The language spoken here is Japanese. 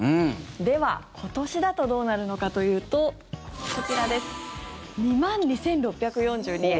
では、今年だとどうなるのかというとこちらです２万２６４２円。